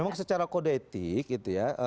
memang secara kode etik gitu ya